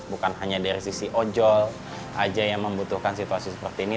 bukan hanya dari sisi ojol aja yang membutuhkan situasi seperti ini